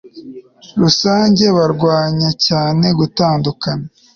rusange barwanya cyane gutanduakana